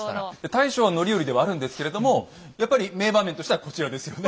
大将は範頼ではあるんですけれどもやっぱり名場面としてはこちらですよね。